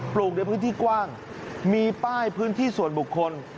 ลูกในพื้นที่กว้างมีป้ายพื้นที่ส่วนบุคคล